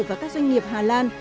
và các doanh nghiệp hà lan